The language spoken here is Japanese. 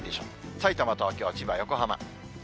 さいたま、東京、千葉、横浜。